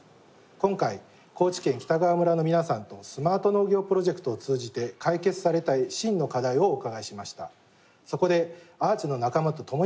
今回高知県北川村の皆さんとスマート農業プロジェクトを通じて解決されたい真の課題をお伺いしました。